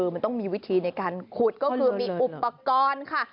มันต้องมีวิธีในการขุดก็คือมีอุปกรณ์ค่ะ